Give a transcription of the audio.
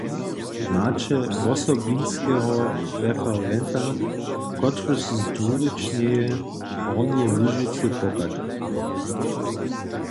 Maće wosobinskeho referenta, kotryž z dwurěčneje Hornjeje Łužicy pochadźa.